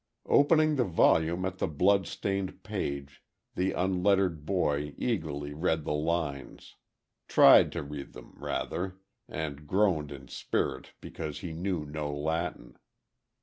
Opening the volume at the blood stained page, the unlettered boy eagerly read the lines. Tried to read them, rather, and groaned in spirit because he knew no Latin.